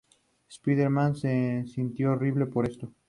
El estándar de nomenclatura binominal Tod.